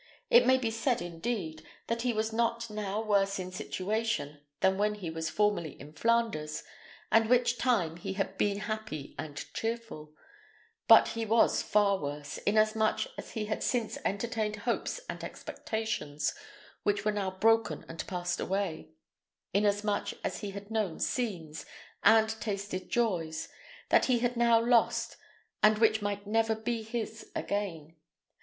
It may be said, indeed, that he was not now worse in situation than when he was formerly in Flanders, at which time he had been happy and cheerful; but he was far worse, inasmuch as he had since entertained hopes and expectations which were now broken and passed away; inasmuch as he had known scenes, and tasted joys, that he had now lost, and which might never be his again.